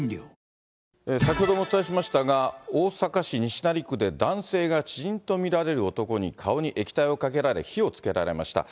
先ほどもお伝えしましたが、大阪市西成区で男性が知人と見られる男に顔に液体をかけられ、火をつけられました。